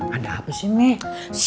ada apa sih mie